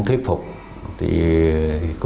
sẽ có sự